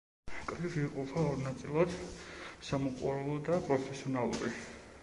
კრივი იყოფა ორ ნაწილად: სამოყვარულო და პროფესიონალური.